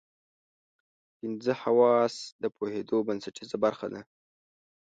پنځه حواس د پوهېدو بنسټیزه برخه ده.